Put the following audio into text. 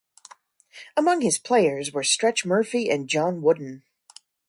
Among his players were Stretch Murphy and John Wooden.